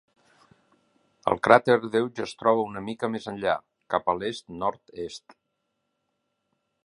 El cràter Deutsch es troba una mica més enllà, cap a l'est-nord-est.